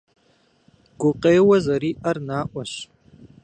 Гукъеуэ зэриӏэр наӏуэщ.